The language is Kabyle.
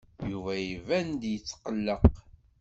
Yuba iban-d yetqelleq.